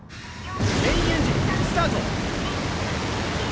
・メインエンジンスタート。